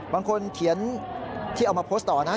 บางคนเขียนที่เอามาโพสต์ต่อนะ